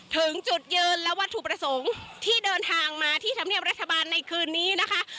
ถึงจุดยืนและวัตถุประสงค์ที่เดินทางมาที่ธรรมเนียบรัฐบาลในคืนนี้นะคะ